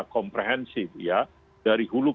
komprehensif ya dari hulu